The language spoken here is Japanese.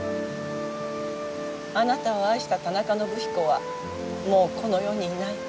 あなたを愛した田中伸彦はもうこの世にいない。